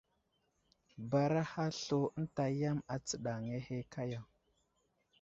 Baaraha slu ənta yam astəɗaŋŋa ahe kaya !